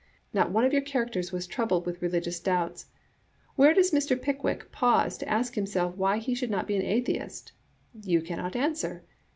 Not one of your characters was troubled with religious doubts. Where does Mr. Pickwick pause to ask himself why he should not be an atheist? You cannot answer.